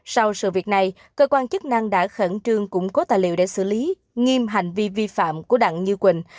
sau sự việc này cơ quan chức năng đã khẩn trương củng cố tài liệu để xử lý nghiêm hành vi vi phạm của đặng như quỳnh